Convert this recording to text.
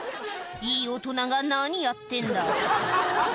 いい大人が何やってんだ？